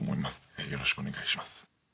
えよろしくお願いします。